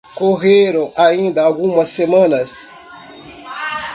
Correram ainda algumas semanas.